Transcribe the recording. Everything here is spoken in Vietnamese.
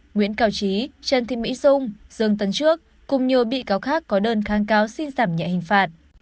nguyễn cao trí trần thị mỹ dung dương tấn trước cùng nhiều bị cáo khác có đơn kháng cáo xin giảm nhẹ hình phạt